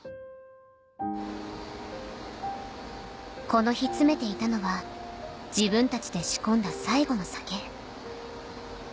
この日詰めていたのは自分たちで仕込んだ最後の酒